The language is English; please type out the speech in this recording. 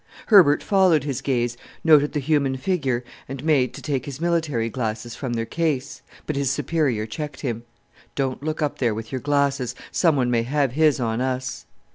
Herbert followed his gaze, noted the human figure, and made to take his military glasses from their case. But his superior checked him. "Don't look up there with your glasses; some one may have his on us."